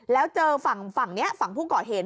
แล้วเจอฝั่งนี้ฝั่งผู้ก่อเหตุ